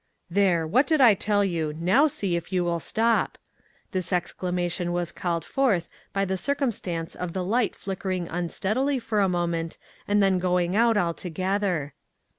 "There! What did I tell you? Now see if you will stop." This exclamation was called forth by the circumstance of IO ONE COMMONPLACE DAY. the light flickering unsteadily for a moment and then going out altogether.